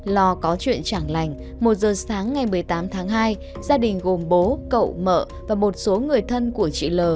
lo có chuyện trảng lành một giờ sáng ngày một mươi tám tháng hai gia đình gồm bố cậu mợ và một số người thân của chị l